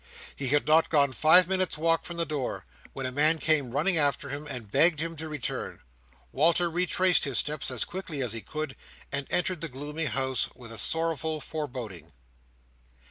He had not gone five minutes' walk from the door, when a man came running after him, and begged him to return. Walter retraced his steps as quickly as he could, and entered the gloomy house with a sorrowful foreboding.